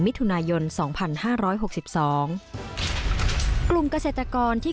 มิถุนายนสองพันห้าร้อยหกสิบสองกลุ่มเกษตรกรที่